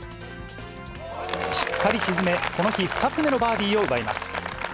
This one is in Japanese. しっかり沈め、この日２つ目のバーディーを奪います。